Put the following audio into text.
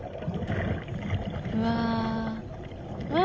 うわうわ！